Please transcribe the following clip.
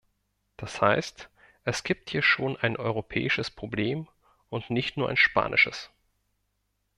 Das heißt, es gibt hier schon ein europäisches Problem und nicht nur ein spanisches.